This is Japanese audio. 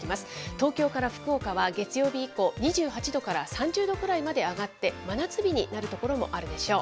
東京から福岡は、月曜日以降、２８度から３０度くらいまで上がって、真夏日になる所もあるでしょう。